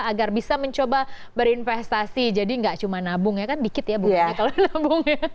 agar bisa mencoba berinvestasi jadi nggak cuma nabung ya kan dikit ya bukannya kalau nabung ya